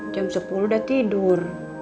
jam sepuluh udah tidur